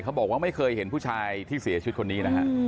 เขาบอกว่าไม่เคยเห็นผู้ชายที่เสียชุดคนนี้